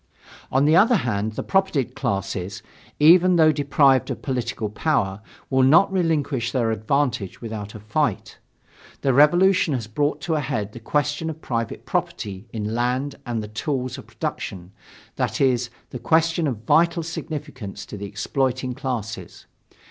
On the other hand, the propertied classes, even though deprived of political power, will not relinquish their advantages without a fight. The Revolution has brought to a head the question of private property in land and the tools of production that is, the question of vital significance to the exploiting classes.